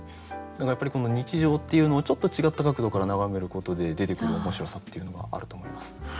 何かやっぱりこの日常っていうのをちょっと違った角度から眺めることで出てくる面白さっていうのがあると思います。